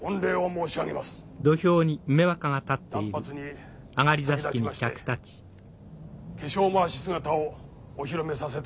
断髪に先立ちまして化粧まわし姿をお披露目させていただきます。